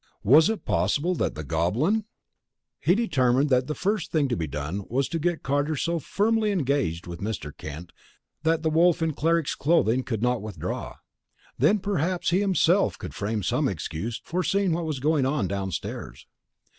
Was it possible that the Goblin ? He determined that the first thing to be done was to get Carter so firmly engaged with Mr. Kent that the wolf in cleric's clothing could not withdraw. Then perhaps he himself could frame some excuse for seeing what was going on downstairs.